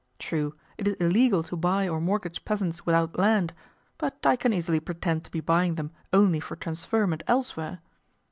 True, it is illegal to buy or mortgage peasants without land, but I can easily pretend to be buying them only for transferment elsewhere.